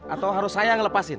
atau harus saya yang lepasin